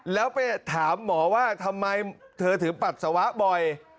แล้วไปถามหมอว่าทำไมเธอถึงปัสสาวะบ่อย